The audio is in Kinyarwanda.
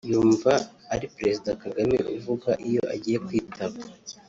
yumva ari Perezida Kagame uvuga iyo agiye kwitaba